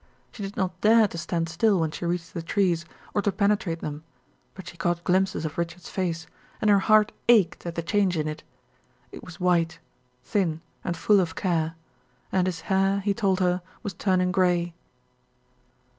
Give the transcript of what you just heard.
She did not dare to stand still when she reached the trees, or to penetrate them, but she caught glimpses of Richard's face, and her heart ached at the change in it. It was white, thin, and full of care; and his hair, he told her, was turning gray.